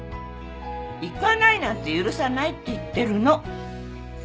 行かないなんて許さないって言ってるの。